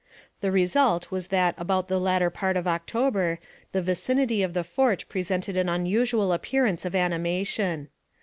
The result was that about the latter part of October the vicinity of the fort presented an unusual appearance of animation.